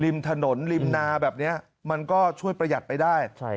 ริมถนนริมนาแบบนี้มันก็ช่วยประหยัดไปได้